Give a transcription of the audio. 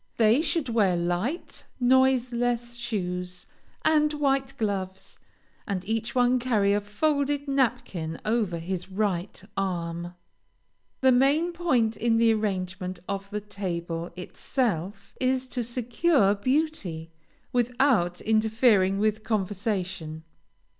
They should wear light, noiseless shoes, and white gloves, and each one carry a folded napkin over his right arm. The main point in the arrangement of the table itself, is to secure beauty, without interfering with conversation.